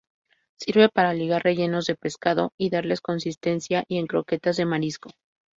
Sirve para ligar rellenos de pescado y darles consistencia, y en croquetas de marisco.